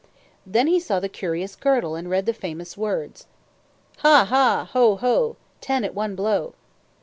Then he saw the curious girdle and read the words: Ha, ha! Ho, ho! Ten at one blow.